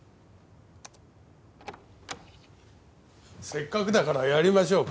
せっかくだからやりましょうか。